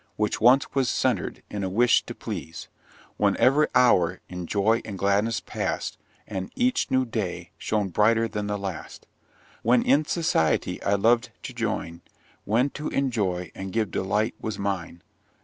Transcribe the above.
Which once was centred in a wish to please, When ev'ry hour in joy and gladness past, And each new day shone brighter than the last; When in society I loved to join; When to enjoy, and give delight, was mine?